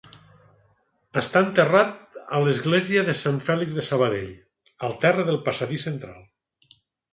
Està enterrat a l'Església de Sant Fèlix de Sabadell, al terra del passadís central.